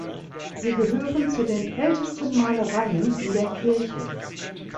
Sie gehören zu den ältesten Malereien in der Kirche.